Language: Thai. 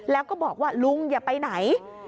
แล้วก็บอกว่าลุงอย่าไปไหน